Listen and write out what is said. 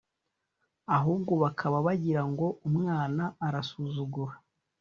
ahubwo bakaba bagira ngo umwana arasuzugura